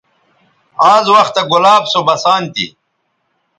آز وختہ گلاب سو بسان تھی